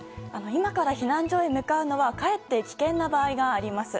今から避難所へ向かうのはかえって危険な場合があります。